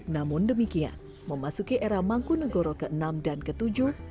namun demikian memasuki era mangku negoro vi dan vii